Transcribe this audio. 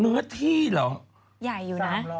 เนื้อที่หรอ